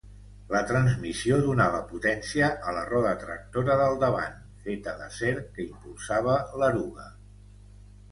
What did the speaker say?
La transmissió donava potència a la roda tractora del davant, feta d'acer, que impulsava l'eruga.